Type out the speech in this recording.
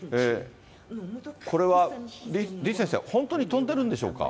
これは李先生、本当に飛んでるんでしょうか。